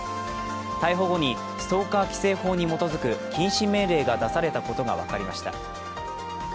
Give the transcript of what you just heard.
逮捕後にストーカー規制法に基づく禁止命令が出されたことが分かりました。